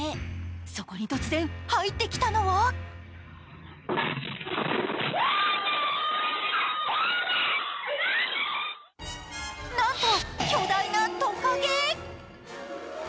そこに突然、入ってきたのはなんと、巨大なトカゲ！